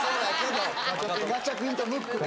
ガチャピンとムックね